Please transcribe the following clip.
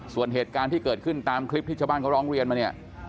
ส่วนเหตุการณ์ที่เกิดขึ้นตามคลิปที่ชาวบ้านเขาร้องเรียนมาเนี่ย